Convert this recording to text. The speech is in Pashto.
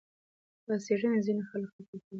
دا څېړنې ځینې خلک خپه کوي.